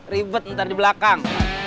ribet ntar di belakang